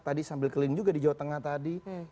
tadi sambil keliling juga di jawa tengah tadi